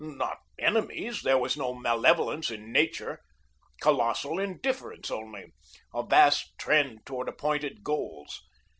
Not enemies; there was no malevolence in Nature. Colossal indifference only, a vast trend toward appointed goals.